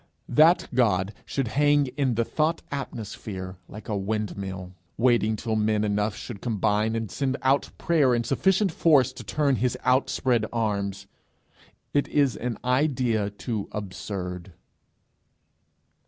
That God should hang in the thought atmosphere like a windmill, waiting till men enough should combine and send out prayer in sufficient force to turn his outspread arms, is an idea too absurd.